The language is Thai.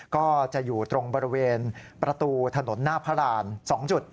ก็จะอยู่ตรงบริเวณประตูถนนหน้าพระราณ๒จุด